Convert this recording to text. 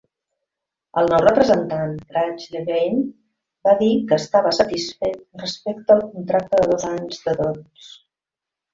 El nou representant Craig Levein va dir que estava "satisfet" respecte al contracte de dos anys de Dods.